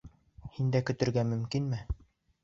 Һиндә көтөргә мөмкинме?